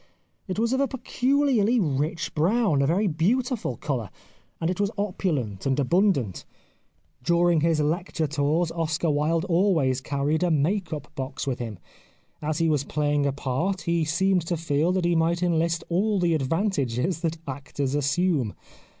It was of a peculiarly rich brown, a very beautiful colour, and it was opulent and abundant. During his 212 The Life of Oscar Wilde lecture tours Oscar Wilde always carried a " make up " box with him. As he was playing a part he seemed to feel that he might enlist all the advantages that actors assume.